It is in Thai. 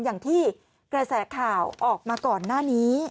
อย่างที่กระแสข่าวออกมาก่อนหน้านี้